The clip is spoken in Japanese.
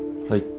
はい。